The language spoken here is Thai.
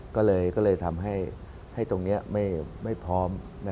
ก็เลยทำให้ตรงนี้ไม่พร้อม